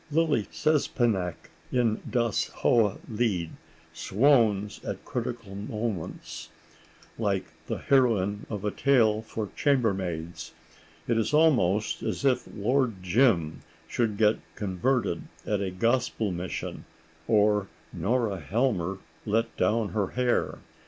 Lily Czepanek, in "Das hohe Lied," swoons at critical moments, like the heroine of a tale for chambermaids. It is almost as if Lord Jim should get converted at a gospel mission, or Nora Helmer let down her hair....